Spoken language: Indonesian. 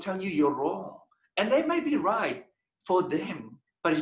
semua orang akan memberitahu anda anda salah